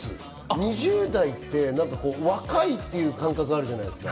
２０代って若いっていう感覚あるじゃないですか。